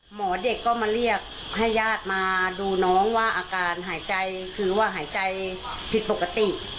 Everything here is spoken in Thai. หมอเด็กก็มาเรียกให้ญาติมาดูน้องว่าอาการหายใจคือว่าหายใจผิดปกติ